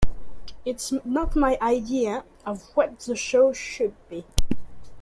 It's not my idea of what the show should be.